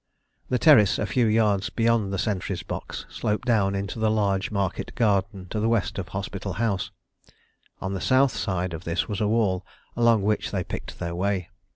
] The terrace a few yards beyond the sentry's box sloped down into the large market garden to the west of the Hospital House. On the south side of this was a wall, along which they picked their way.